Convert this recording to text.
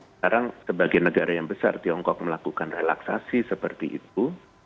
sekarang sebagai negara yang besar tiongkok melakukan relaksasi seperti itu